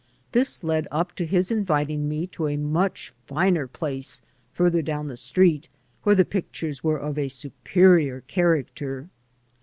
This led up to his inviting me to a much finer place farther down the street where the pictures were of a superior character.